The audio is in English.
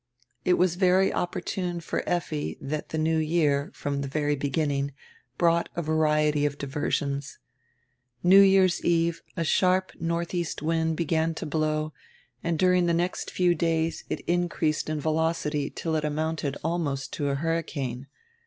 It was very opportune for Effi that die new year, from the very beginning, brought a variety of diversions. New Year's eve a sharp northeast wind began to blow and dur ing die next few days it increased in velocity till it amounted almost to a hurricane.